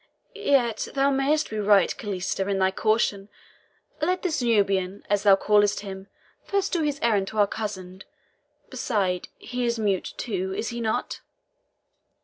"Yet thou mayest be right, Calista, in thy caution. Let this Nubian, as thou callest him, first do his errand to our cousin besides, he is mute too, is he not?"